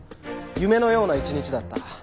夢のような一日だった」。